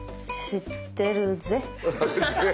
知ってるぜ。